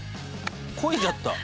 こいじゃった。